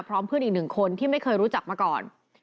พร้อมเพื่อนอีกหนึ่งคนที่ไม่เคยรู้จักมาก่อน